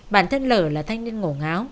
bản thân lờ là thanh niên ngổ ngáo